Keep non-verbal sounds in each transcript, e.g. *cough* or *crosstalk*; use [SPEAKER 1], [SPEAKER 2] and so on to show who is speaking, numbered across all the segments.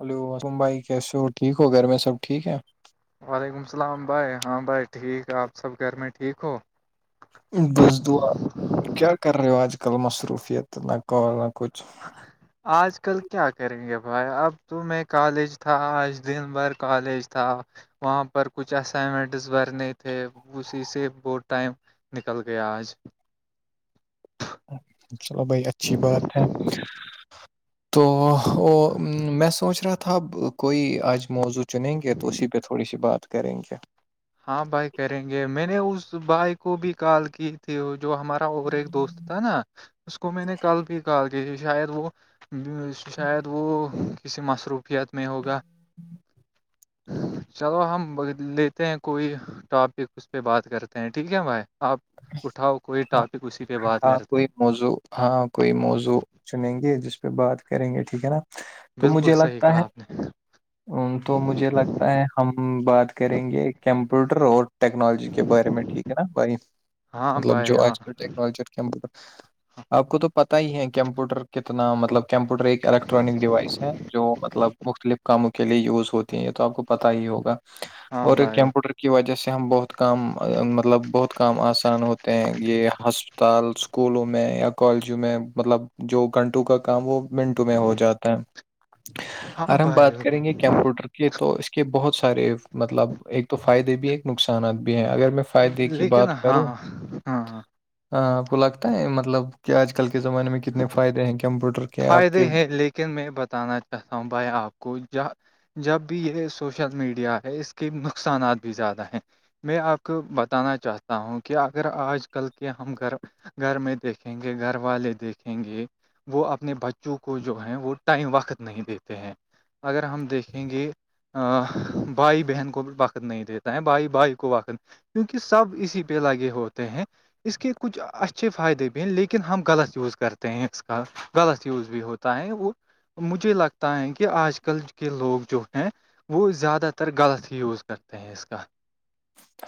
[SPEAKER 1] Hello وم بھائی کیسے ہو ٹھیک ہو گھر میں سب ٹھیک ہے
[SPEAKER 2] وعلیکم السلام بھائی ہاں بھائی ٹھیک آپ سب گھر میں ٹھیک ہو
[SPEAKER 1] بس دعا کیا کر رہے آج کل مصروفیت نہ کال نہ کچھ
[SPEAKER 2] *inaudible* آج کل کیا کریں گے بھائی اب تو میں کالج تھا آج دن بھر کالج تھا وہاں پر کچھ اسائنمنٹس بھرنے تھے اسی سے بہت ٹائم نکل گیا آج
[SPEAKER 1] چلو بھائی اچھی بات ہے تو میں سوچ رہا تھا اب کوئی آج موضوع چنیں گے تو اسی پہ تھوڑی سی بات کریں گے
[SPEAKER 2] ہاں بھائی کریں گے میں نے اس بھائی کو بھی کال کی تھی وہ جو ہمارا اور ایک دوست تھا نا اس کو میں نے کل بھی کال کی تھی شاید وہ شاید وہ کسی مصروفیت میں ہوگا چلو ہم لیتے ہیں کوئی ٹاپک اس پہ بات کرتے ہیں ٹھیک ہے بھائی آپ اٹھاؤ کوئی ٹاپک اسی پہ بات کرتے ہیں
[SPEAKER 1] موضو ہاں کوئی موزوع چنیں گے جس پہ بات کریں گے ٹھیک ہے نا تو
[SPEAKER 2] بالکل
[SPEAKER 1] مجھے
[SPEAKER 2] صحیح
[SPEAKER 1] لگتا
[SPEAKER 2] کہا
[SPEAKER 1] ہے
[SPEAKER 2] آپ نے
[SPEAKER 1] تو مجھے لگتا ہے ہم بات کریں گے کمپیوٹر اور ٹیکنالوجی کے بارے میں ٹھیک ہے نا بھائی
[SPEAKER 2] ہاں
[SPEAKER 1] مطلب
[SPEAKER 2] بھائی
[SPEAKER 1] جو
[SPEAKER 2] ہاں
[SPEAKER 1] آج کل ٹیکنالوجی کمپوٹر آپ کو تو پتا ہی ہے کمپیوٹر کتنا مطلب کمپیوٹر ایک الیکٹرانک ڈیوائس ہے جو مطلب مختلف کاموں کے لیے یوز ہوتی ہیں یہ تو آپ کو پتا ہی ہوگا
[SPEAKER 2] ہاں
[SPEAKER 1] اور
[SPEAKER 2] بھائی
[SPEAKER 1] کمپیوٹر کی وجہ سے ہم بہت کام مطلب بہت کام اسا اسان ہوتے ہیں یہ ہسپتال اسکولوں میں یا کالجوں میں مطلب جو گھنٹوں کا کام وہ منٹوں میں ہو جاتا ہے ا
[SPEAKER 2] ہاں
[SPEAKER 1] گر ہم
[SPEAKER 2] بھائی
[SPEAKER 1] بات کریں گے
[SPEAKER 2] بالکل
[SPEAKER 1] کمپیوٹر کے تو اس کے بہت سارے مطلب ایک تو فائدے بھی ہیں ایک نقصانات بھی ہیں اگر میں فائدے کی
[SPEAKER 2] لیکن
[SPEAKER 1] بات کروں
[SPEAKER 2] ہاں ہاں
[SPEAKER 1] ہاں آپ کو لگتا ہے مطلب کہ آج کل کے زمانے میں کتنے فائدے ہیں کمپیوٹر کے آپ کے
[SPEAKER 2] فائدے ہیں لیکن میں بتانا چاہتا ہوں بھائی آپ کو ج جب بھی یہ سوشل میڈیا ہے اس کے نقصانات بھی زیادہ ہیں میں آپ کو بتانا چاہتا ہوں کہ اگر آج کل کے ہم گھر گھر میں دیکھیں گے گھر والے دیکھیں گے وہ اپ اپنے بچوں کو جو ہے وہ ٹائم وقت نہیں دیتے ہیں اگر ہم دیکھیں گے بھائی بہن کو وقت نہیں دیتا ہے بھائی بھائی کو وقت کیونکہ سب اسی پہ لگے ہوتے ہیں اس کے کچھ اچھے فائدے بھی ہیں لیکن ہم غلط یوز کرتے ہیں اس کا غلط یوز بھی ہوتا ہے وہ مجھے لگتا ہے کہ آج کل کے لوگ جو ہیں وہ زیادہ تر غلط ہی یوز کرتے ہیں اس کا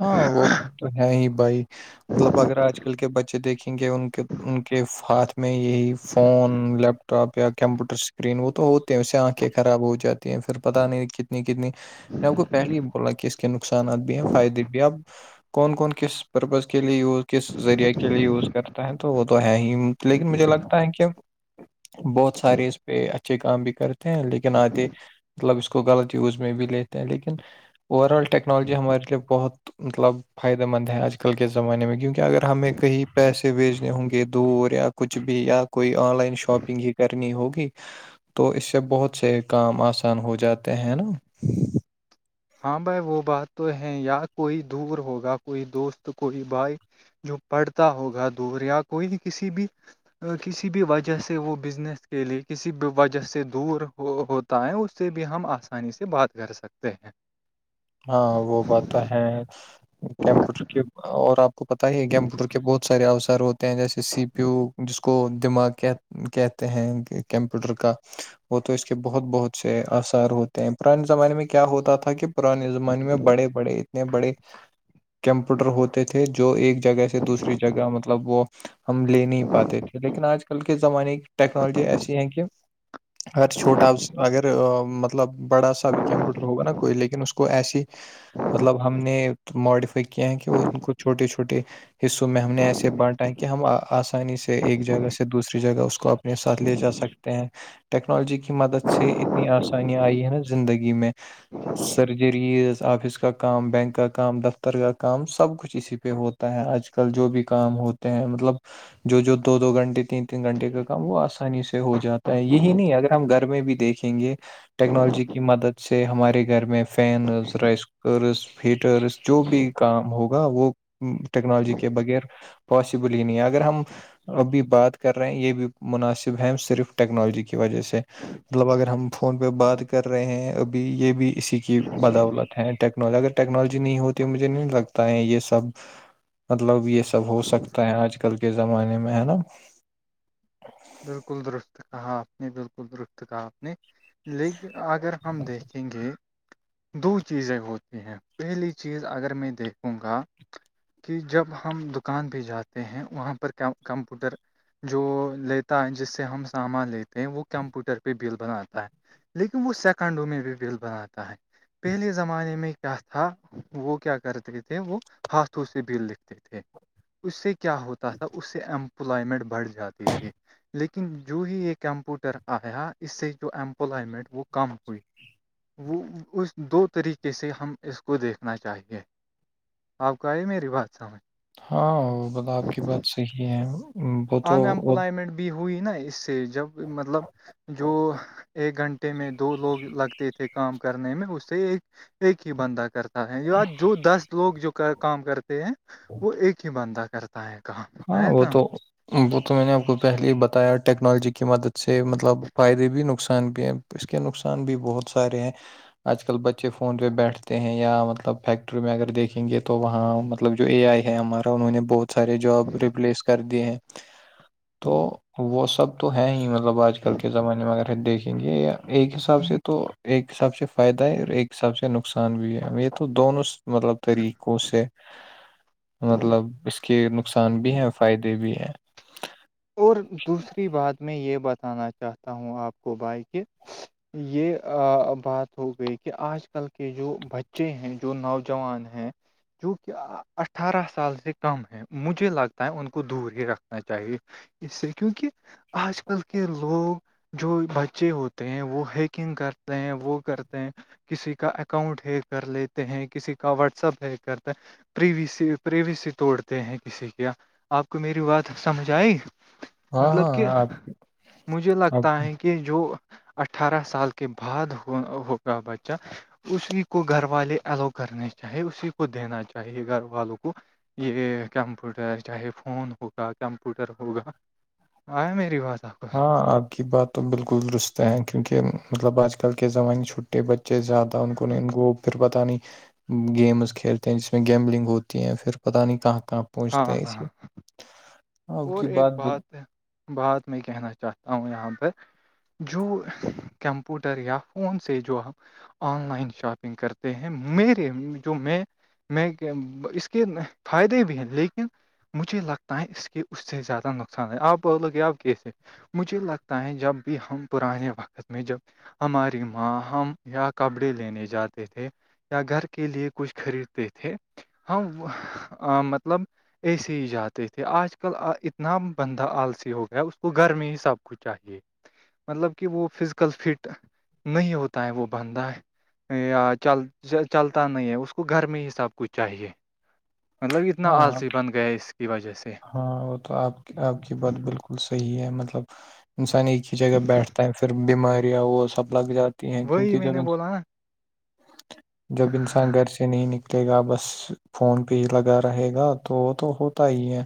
[SPEAKER 1] ہاں وہ تو ہے ہی بھائی مطلب اگر آج کل کے بچے دیکھے کیونکہ ان کے ان کے ہاتھ میں یہی فون لیپ ٹاپ یا کمپیوٹر اسکرین وہ تو ہوتے ہیں اسے آنکھیں خراب ہو جاتی ہیں پھر پتا نہیں کتنی کتنی میں آپ کو پہلے ہی بولا کہ اس کے نقصانات بھی ہیں فائدے بھی آپ کون کون کس پرپز کے لیے یوز کس ذریعے کے لیے یوز کرتا ہے تو وہ تو ہے ہی لیکن مجھے لگتا ہے کہ بہت سارے اس پہ اچھے کام بھی کرتے ہیں لیکن آگے مطلب اس کو غلط یوز میں بھی لیتے ہیں لیکن اوور آل ٹیکنالوجی ہمارے لیے بہت مطلب فائدہ مند ہیں آج کل کے زمانے میں کیونکہ اگر ہمیں کہیں پیسے بھیجنے ہوں گے دور یا کچھ بھی یا کوئی آن لائن شاپنگ ہی کرنی ہوگی تو اس سے بہت سے کام آسان ہو جاتے ہیں نا
[SPEAKER 2] ہاں بھائی وہ بات تو ہے یا کوئی دور ہوگا کوئی دوست کوئی بھائی جو پڑتا ہوگا دور یا کوئی بھی کسی بھی کسی بھی وجہ سے وہ بزنس کے لیے کسی بھی وجہ سے دور ہو ہو اس سے بھی ہم آسانی سے بات کر سکتے ہیں
[SPEAKER 1] ہاں وہ بات ہے کیمپوٹر کی اور آپ کو پتتا ہی ہے کمپیور بہت سارے اوسر ہو جیسے سی پی یو جس کو دماغ کہ کہتے ہیں کمپیوٹر کا وہ تو اس کے بہت بہت سے آسار ہوتے ہیں پرانے زمانے میں کیا ہوتا تھا کہ پرانے زمانے میں بڑے بڑے اتنے بڑے کمپیوٹر ہوتے تھے جو ایک جگہ سے دوسری جگہ مطلب وہ ہم لے نہیں پاتے تھے لیکن آج کل کے زمانے ٹییکنالوجی ایسی ہیں کہ اگر چھوٹا آ اگر مب مطلب بڑا سا بھی کمپیوٹر ہوگا نا کوئی لیکن اس کو ایسی مطلب ہم نے ماڈیفائی کیا ہیں کہ وہ ان کو چھوٹے چھوٹے حصوں میں ہم نے ایسے بانٹا ہے کہ ہم آسانی سے ایک جگہ سے دوسری جگہ اس کو اپنے ساتھ لے جا سکتے ٹیکنالوجی کی مدد سے اتنی آسانیاں آئی ہے نا زندگی میں سرجریز آفس کا کام بینک کا کام دفتر کا کام سب کچھ اسی پہ ہوتا ہوتا ہے آج کل جو بھی کام ہوتے ہیں مطلب جو جو دو دو گھنٹے تین تین گھنٹے کا کام وہ آسانی سے ہو جاتا ہے یہی نہیں اگر ہم گھر میں بھی دیکھیں گے ٹیکنالوجی کی مدد سے ہمارے گھر میں فینز رائس کوکرز ہیٹرز جو بھی کام ہوگا وہ ٹیکنالوجی کے بغیر پاسبل ہی نہیں ہے اگر ہم ابھی بات کر رہے ہیں یہ بھی مناسب ہے صرف ٹیکنالوجی کی وجہ سے مطلب اگر ہم فون پہ بات کر رہے ہیں ابھی یہ بھی اسی کی بدولت ہے ٹیکنالوجی اگر ٹیکنالوجی نہیں ہوتی مجھے نہیں لگتا ہے یہ سب مطلب یہ سب ہو سکتا ہے آج کل کے زمانے میں ہے نا
[SPEAKER 2] بالکل درست کہا آپ نے بالکل درست کہا آپ نے لیکن اگر ہم دیکھیں گے دو چیزیں ہوتی ہیں پہلی چیز اگر میں دیکھوں گا کہ جب ہم دکان پہ جاتے ہیں وہاں پر کمپیوٹر جو لیتا ہے جس سے ہم سامان لیتے ہیں وہ کمپیوٹر پہ بل بناتا ہے لیکن وہ سیکنڈوں میں بھی بل بناتا ہے پہلے زمانے میں کیا تھا تھا وہ کیا کرتے تھے وہ ہاتھوں سے بھیل لکھتے تھے اس سے کیا ہوتا تھا اس سے امپلائمنٹ بڑھ جاتی تھی لیکن جو ہی یہ کمپوٹر آیا اس سے جو امپلائمنٹ وہ کم ہوئی وہ اس دو طریقے سے ہم اس کو دیکھنا چاہیے آپ کو آئی میری بات سمجھ
[SPEAKER 1] ہاں وہ ب آپ کی بات صحیح ہے وہ تو وہ
[SPEAKER 2] انمپلائمنٹ بھی ہوئی نا اس سے جب مطلب جو ایک گھنٹ میں دو لوگ لگتے تھے کام کرنے میں اس سے ایک ایک ہی بندہ کرتے ہے جو دس لوگ جو کام کرتے ہیں وہ ایک ہی بندہ کرتے کہا
[SPEAKER 1] ہاں
[SPEAKER 2] آ کہ
[SPEAKER 1] وہ
[SPEAKER 2] ہ
[SPEAKER 1] تو وہ تو میں نے آپ کو پہلے ہی بتایا ٹیکنالوجی کی مدد سے مطلب فائدے بھی نقصان بھی ہیں اس کے نقصان بھی بہت سارے ہیں آج کل بچے فون پہ بیٹھتے ہیں یا مطلب فیکٹری میں اگر دیکھیں گے تو وہاں مطلب جو اے آئی ہے ہمارا انہوں نے بہت سارے جاب ریپلیس کر دیے ہیں تو وہ سب تو ہے ہی مطلب آج کل کے زمانے میں اگر دیکھیں گے ایک حساب سے تو ایک حساب سے فائدہ ہے اور ایک حساب سے نقصان بھی ہے ہم یہ تو دونوں مطلب طریقوں سے مطلب اس کے نقصان بھی ہیں فائدے بھی
[SPEAKER 2] اور دوسری بات میں یہ بتانا چاہتا ہوں آپ کو بائیک یہ بات ہو گئی کہ آج کل کے جو بچے ہیں جو نوجوان ہیں جو کہہ اٹھارہ سال سے کم ہیں مجھے لگتا ہے ان کو دور ہی رککھنا چاہیے اس سے کیونکہ آج کل کے لوگ جو بچے ہوتے ہیں وہ ہیکنگ کرتے ہیں وہ کرتے ہیں کسی کا اکاؤنٹ ہ کر لیتے ہیں کسی کا واٹسپ ہ کرتا ہے پریوی سے پریوی سے توڑتے ہیں کسی کیا آپ کو میری بات سمجھ آئی
[SPEAKER 1] ہاں
[SPEAKER 2] مطلب کہ
[SPEAKER 1] ہاں آپ
[SPEAKER 2] مجھے لگتا
[SPEAKER 1] آپ
[SPEAKER 2] ہے کہ کہ جو اٹھارہ سال کے بعد ہوگا بچہ اسی کو گھر والے ایلو کرنے چاہیے اسی کو دینا چاہیے گھر والوں کو یہ کمپیوٹر چاہے فون ہوگا کمپیوٹر ہوگا آیا میری پاس آپ کو
[SPEAKER 1] ہاں آگ کی بات تو بالکل درست ہیں کیونکہ مطلب آج کل کے زمانے چھٹے بچے زیادہ ان کو نہیں ان کوو پھر پتاہ نہیں گیمز کھیلتے ہیں جس میں گیملنگ ہوتی ہے پھر پتاہ نہیں کہاں کہاں
[SPEAKER 2] ہاں
[SPEAKER 1] پونچتے ہیں
[SPEAKER 2] ہاں
[SPEAKER 1] آپ
[SPEAKER 2] اور
[SPEAKER 1] کی
[SPEAKER 2] ایک
[SPEAKER 1] بال-
[SPEAKER 2] بات بات میں کہنا چاہتا ہوں یہاں پر جو کمپوٹر یا فون سے جو ہم آن لائن شاپنگ کرتے ہیں میرے جو میں میں اس کے فائدے بھی ہیں لیکن مجھے لگتا ہے اس کے اس سے زیادہ نقصان ہے آپ بول لو گے آپ کیسے مجھے لگتا ہے جب بھی ہم پرانے وقت میں جب ہماری ماں ہم یا کپڑے لینے جاتے تھے یا گھر کے لیے کچھ خریدتے تھے ہم مطلب ایےسے ہی جاتے تھے آج آج کل اتنا بندہ آلسی ہو گیا اس کو گھر میں ہی سب کچھ چاہیے مطلب کہ وہ فزیکل فٹ نہیں ہوتا ہے وہ بندہ ہے یا چل چلتا نہیں ہے اس کو گھر میں ہی سب کچھ چاہیے مطلب اتنا
[SPEAKER 1] ہاں
[SPEAKER 2] آلسی بن گیا اس کی وجہ سے
[SPEAKER 1] ہاں وہ تو آپ ک آبپ کی بات بالکل صحیح ہے مطلب انسان ایک ہی جگہ بیٹھتا ہے پھر بیماریاں وہ سب لگ جاتی ہیں
[SPEAKER 2] وہی
[SPEAKER 1] کیونکہ
[SPEAKER 2] میں
[SPEAKER 1] جب
[SPEAKER 2] نے
[SPEAKER 1] ان
[SPEAKER 2] بولا نا
[SPEAKER 1] جب انسان گھر سے نہیں نکلے گا بس فون پہ ہی لگا رہے گا تو وہ تو ہوتا ہی ہے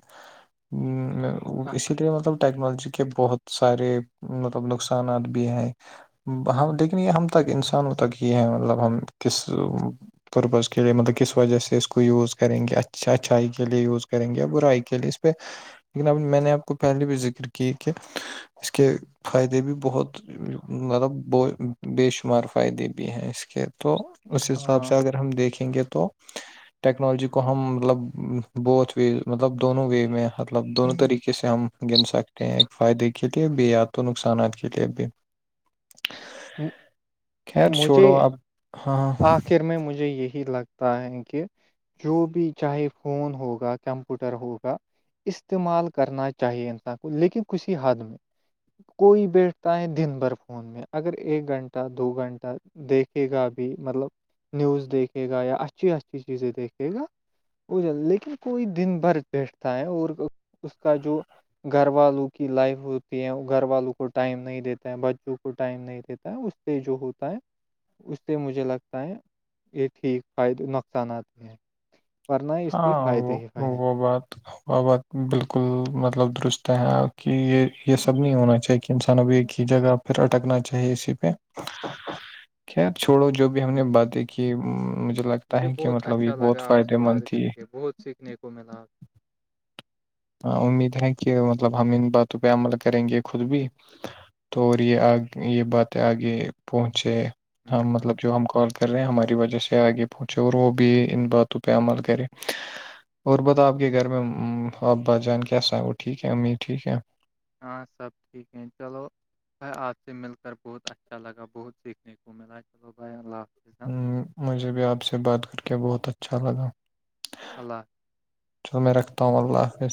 [SPEAKER 1] اسی لیے مطلب ٹیکنالوجی کے بہت سارے مطلب نقصانات بھی ہیں ہاں لیکن یہ ہم تک انسانوں تک یہ ہے مطلب ہم کس پرربز کے لیے مطلب کس وجہ سے اس کو یوز کریں گے اچھا اچھ اچھائی کے لیے یوز کریں گےیا برائی کے لیے اس پہ لیکن اب میں نے آپ کو پہلے بھی ذکر کی کہ اس کے فائدے بھی بہت مطلب ب بے شمار فائدے بھی ہیں اس کے تو اس حساب سے
[SPEAKER 2] ہاں
[SPEAKER 1] اگر ہم دیکھیں گے تو ٹیکنالوجی کو ہم مطلب بہت و مطلب دونوں وے میں مطلب دونوں طریقے سے ہم گن سکتے ٹ ایک فائدے کے لیے بھی یا تو نقصانات کے لیے بھی
[SPEAKER 2] ا
[SPEAKER 1] خیر
[SPEAKER 2] مجھے
[SPEAKER 1] چھوڑو اب ہاں
[SPEAKER 2] آخر میں مجھے یہی لگتا ہے کہ جو بھی چاہے فون ہوگا کمپیوٹر ہوگا استعمال کرنا چاہیے انسان کو لیکن کھسی حد میں کوئی بیٹھتا ہے دن بھر فون میں اگر ایک گھنٹہ دو گھنٹہ دیکھے گا بھی مطلب نیوز دیکھے گا یا اچھی اچھی چیزیں دیکھے گا ج لیکن کوئی دن بھر بیٹھتا ہے اور اس کا جو گھر والوں کی لائف ہوتی ہے گھر والوں کو ٹائم نہیں دیتا ہے بچوں کو ٹائم نہیں دیتا ہے اس سے جو ہوتا ہے اس سے مجھے لگتا ہے یہ ٹھیک فائد نقصانات ہیں ورنہ اس کے
[SPEAKER 1] ہاں
[SPEAKER 2] فائدے
[SPEAKER 1] وہ
[SPEAKER 2] ہی فائدے ہیں۔
[SPEAKER 1] وہ بات وہ بات بالکل مطلب درست ہے کہ یہ یہ سب نہیں ہونا چاہیے کہ انسان ابھی ایک ہی جگہ پھر اٹکنا چاہیے اسی پہ خیر چھوڑو جو بھی بھی ہم نے باتیں کہ مجھے لگتا
[SPEAKER 2] مجھے
[SPEAKER 1] ہے کہ
[SPEAKER 2] بہت
[SPEAKER 1] مطلب یہ
[SPEAKER 2] اچھا
[SPEAKER 1] بہت
[SPEAKER 2] لگا آپ
[SPEAKER 1] فائدے
[SPEAKER 2] سے
[SPEAKER 1] مند
[SPEAKER 2] بات کر
[SPEAKER 1] تھی
[SPEAKER 2] کے بہت سیکھنے کو ملا
[SPEAKER 1] ہاں امید ہے کہ مطلب ہم ان باتوں پہ عمل کریں گے خود بھی تو
[SPEAKER 2] ان
[SPEAKER 1] یہ آ یہ باتیں آگے پہنچے ہم
[SPEAKER 2] شاء
[SPEAKER 1] مطلب
[SPEAKER 2] اللہ
[SPEAKER 1] جو ہم کال کر رہے ہیں ہماری وجہ سے آگے پہنچے اور وہ بھی ان باتوں پہ عمل کرے اور بتا آپ کے گھر میں ابا جان کیسا ہے وہ ٹھیک ہے امیر ٹھیک ہے
[SPEAKER 2] ہاں سب ٹھیک ہے چلو بھائی آپ سے مل کر بہت اچھا لگا بہت سیکھنے کو ملا چلو بھائی اللہ حفظ
[SPEAKER 1] مجھے بھی آپ سے بات کر کے بہت اچھا لگا
[SPEAKER 2] اللہ
[SPEAKER 1] چلو میں رکھتا ہوں اللہ حافظ